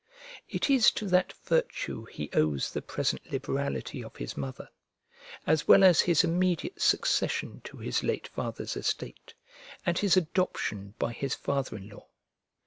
It is to that virtue he owes the present liberality of his mother; as well as his immediate succession to his late father's estate, and his adoption by his father in law.